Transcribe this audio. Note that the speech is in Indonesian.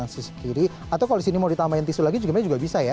sisi kiri atau kalau disini mau ditambahin tisu lagi gimana juga bisa ya